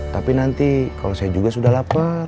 tapi nanti kalau saya juga sudah lapar